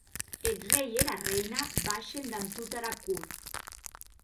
Eth rei e era reina baishen damb tota era cort.